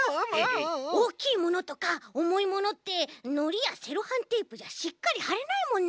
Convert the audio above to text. おおきいものとかおもいものってのりやセロハンテープじゃしっかりはれないもんね。